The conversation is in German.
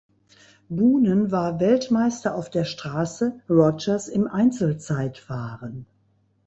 Boonen war Weltmeister auf der Straße, Rogers im Einzelzeitfahren.